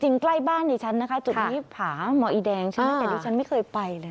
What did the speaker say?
จริงใกล้บ้านเลยจุดนี้พาหมออีแดงนี่ฉันไม่เคยไปเลย